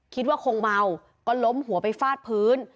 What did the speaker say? คิดว่าคงเมาก็ล้มหัวไปฟาดพื้น